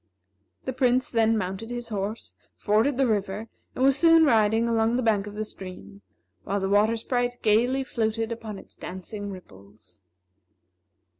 The Prince then mounted his horse, forded the river, and was soon riding along the bank of the stream, while the Water Sprite gayly floated upon its dancing ripples.